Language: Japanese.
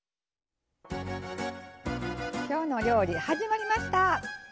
「きょうの料理」始まりました！